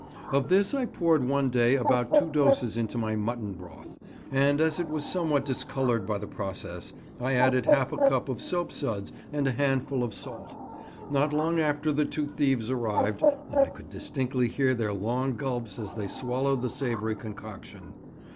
Of this I poured one day about two doses into my mutton broth; and as it was somewhat discoloured by the process, I added half a cup of soapsuds and a handful of salt. Not long after the two thieves arrived, and I could distinctly hear their long gulps as they swallowed the savoury concoction.